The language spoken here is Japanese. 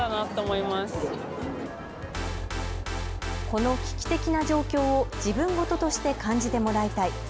この危機的な状況を自分事として感じてもらいたい。